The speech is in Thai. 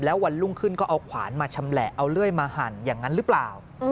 แล้ววันรุ่งขึ้นก็เอาขวานมาชำแหละเอาเลื่อยมาหั่นอย่างนั้นหรือเปล่า